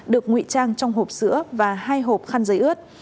được ngụy trang trong hộp sữa và hai hộp khăn giấy ướt